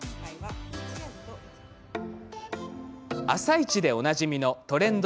「あさイチ」でおなじみのトレンド